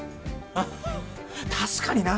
あっ確かにな。